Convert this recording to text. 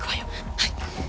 はい。